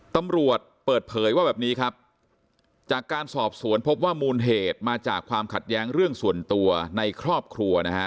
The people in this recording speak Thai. ตำรวจเปิดเผยว่าแบบนี้ครับจากการสอบสวนพบว่ามูลเหตุมาจากความขัดแย้งเรื่องส่วนตัวในครอบครัวนะฮะ